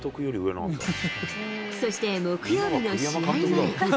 そして木曜日の試合前。